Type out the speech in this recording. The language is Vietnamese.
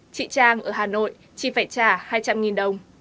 chị trang ở hà nội chỉ phải trả hai trăm linh đồng